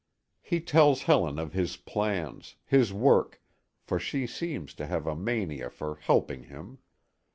He tells Helen of his plans, his work, for she seems to have a mania for "helping" him.